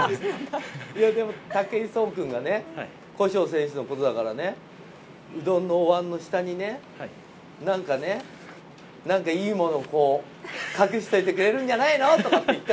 武井壮君が、古性選手のことだから、うどんのお椀の下にね、なんかね、何か、いいものをこう隠しといてくれるんじゃないの？とかって言